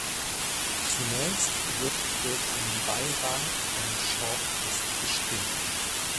Zunächst wird durch einen Beirat eine Shortlist bestimmt.